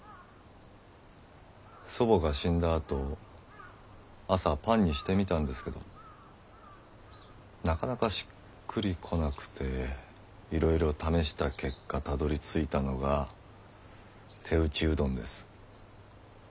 祖母が死んだあと朝パンにしてみたんですけどなかなかしっくりこなくていろいろ試した結果たどりついたのが手打ちうどんです。